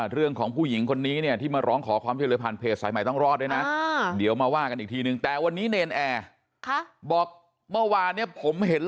เรื่องของผู้หญิงคนนี้ที่มาร้องขอความช่วยเรือนผ่านเพศ